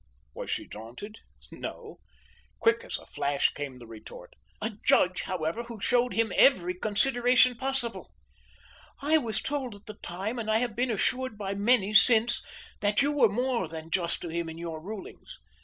Was she daunted? No. Quick as a flash came the retort. "A judge, however, who showed him every consideration possible. I was told at the time and I have been assured by many since that you were more than just to him in your rulings.